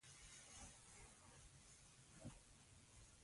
حیدربېګ خان ژمنه وکړه.